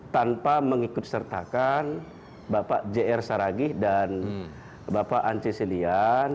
tanpa mengikut sertakan bapak jr saragi dan bapak anci silian